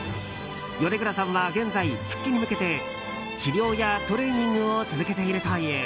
米倉さんは現在、復帰に向けて治療やトレーニングを続けているという。